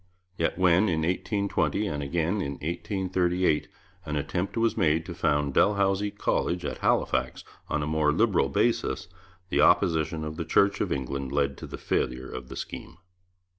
Yet when, in 1820 and again in 1838, an attempt was made to found Dalhousie College at Halifax on a more liberal basis, the opposition of the Church of England led to the failure of the scheme.